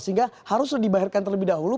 sehingga harus dibahirkan terlebih dahulu